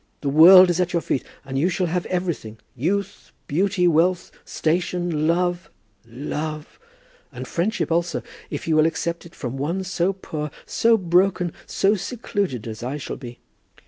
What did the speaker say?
The world is at your feet, and you shall have everything, youth, beauty, wealth, station, love, love; and friendship also, if you will accept it from one so poor, so broken, so secluded as I shall be."